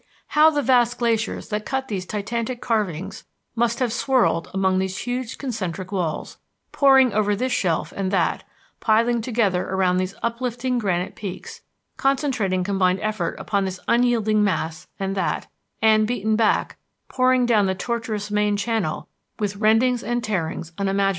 How the vast glaciers that cut these titanic carvings must have swirled among these huge concentric walls, pouring over this shelf and that, piling together around these uplifting granite peaks, concentrating combined effort upon this unyielding mass and that, and, beaten back, pouring down the tortuous main channel with rendings and tearings unimaginable!